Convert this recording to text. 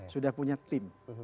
sudah punya tim